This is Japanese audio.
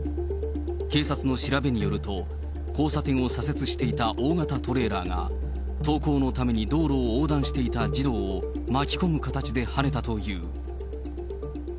警察の調べによると、交差点を左折していた大型トレーラーが、登校のために道路を横断していた児童を、巻き込む形ではねたという。